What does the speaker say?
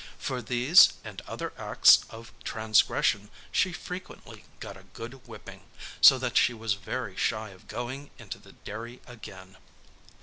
For these and other acts of transgression she frequently got a good whipping, so that she was very shy of going into the dairy again.